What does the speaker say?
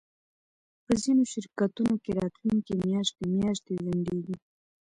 په ځینو شرکتونو کې راتلونکی میاشتې میاشتې ځنډیږي